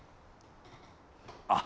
あっ。